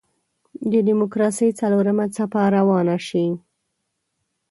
د دیموکراسۍ څلورمه څپه روانه شي.